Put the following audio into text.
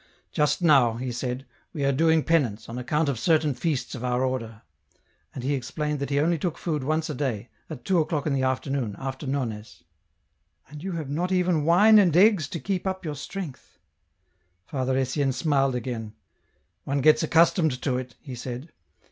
" Just now," he said, " we are doing penance, on account of certain feasts of 01 r order." And he explained that he only took food once a day, at two o'clock in the afternoon, after Nones. " And you have not even wine and eggs to keep tip your strength !" Father Etienne smiled again. " One gets accustomed to it," he said.